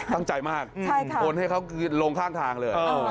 ตั้งใจมากโอนให้เขาคือลงข้างทางเลย